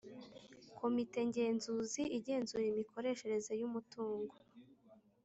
Komite Ngenzuzi igenzura imikoreshereze y’umutungo